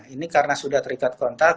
ini karena sudah terikat kontak